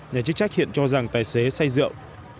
nhà chức trách hiện cho rằng tài xế say rượu